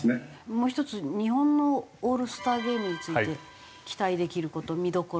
もう１つ日本のオールスターゲームについて期待できる事見どころは？